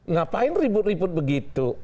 ngapain ribut ribut begitu